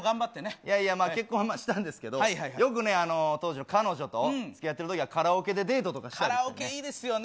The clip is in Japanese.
いやいやまあ、結婚はしたんですけど、よくね、当時の彼女と、つきあってるときは、カラオケでデートとかしたんですよね。